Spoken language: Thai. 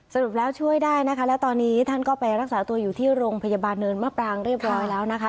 สรุปแล้วช่วยได้นะคะแล้วตอนนี้ท่านก็ไปรักษาตัวอยู่ที่โรงพยาบาลเนินมะปรางเรียบร้อยแล้วนะคะ